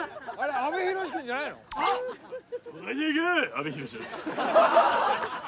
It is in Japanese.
阿部寛です。